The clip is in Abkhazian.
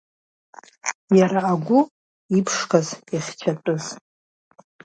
Иара агәы, иԥшқаз, ихьчатәыз…